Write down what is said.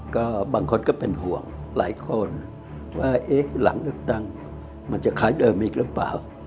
ก็บางคนก็เป็นห่วงหลายคนว่าเอ๊ะหลังเลือกตั้งมันจะคล้ายเดิมอีกหรือเปล่า